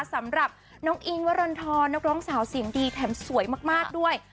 สำหรับน้องอิงวรรณฑรนักร้องสาวเสียงดีแถมสวยมากด้วย